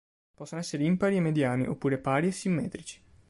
Possono essere impari e mediani, oppure pari e simmetrici.